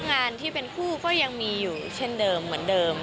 งานที่เป็นคู่ก็ยังมีอยู่เช่นเดิมเหมือนเดิม